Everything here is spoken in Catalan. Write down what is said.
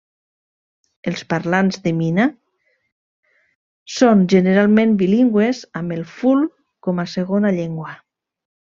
Els parlants de mina són, generalment, bilingües, amb el Ful com a segona llengua.